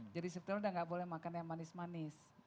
jadi setelah itu udah gak boleh makan yang manis manis